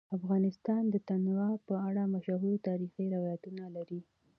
افغانستان د تنوع په اړه مشهور تاریخی روایتونه لري.